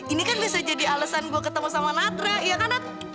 ini kan bisa jadi alesan gue ketemu sama natra iya kan nat